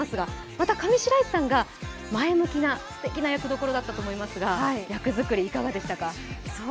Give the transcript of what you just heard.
また上白石さんが前向きなすてきな役どころだと思いますが役作り、いかがでしたか？